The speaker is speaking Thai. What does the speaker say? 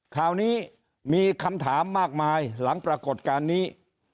ข่าวนี้มีคำถามมากมายหลังปรากฏการณ์นี้